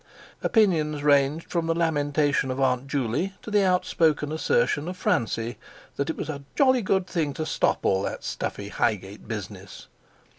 Opinions ranged from the lamentation of Aunt Juley to the outspoken assertion of Francie that it was "a jolly good thing to stop all that stuffy Highgate business."